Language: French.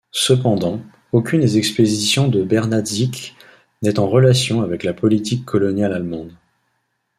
Cependant, aucune des expéditions de Bernatzik n'est en relation avec la politique coloniale allemande.